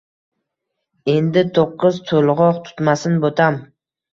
Endi to‘qqiz to‘lg‘oq tutmasin, bo‘tam.